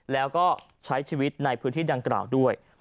แล้วก็ใช้ชีวิตในพื้นที่ดังกล่าวด้วย